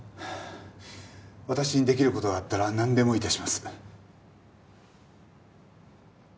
私に出来る事があったらなんでも致します。